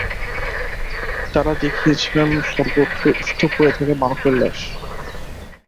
তারা দেখেছিলেন সর্বত্র স্তূপ হয়ে থাকা মানুষের লাশ।